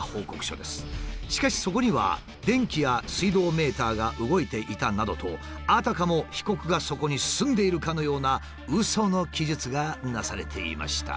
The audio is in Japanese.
しかしそこには「電気や水道メーターが動いていた」などとあたかも被告がそこに住んでいるかのようなウソの記述がなされていました。